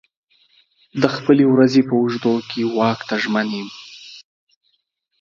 زه د خپلې ورځې په اوږدو کې واک ته ژمن یم.